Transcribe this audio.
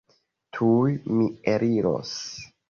Tuj mi eliros.